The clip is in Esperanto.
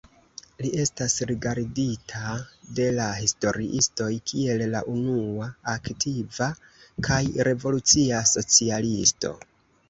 Li estas rigardita de la historiistoj kiel la unua aktiva kaj revolucia socialisto.